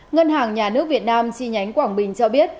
ngân hàng nhà nước việt nam chi nhánh quảng bình cho biết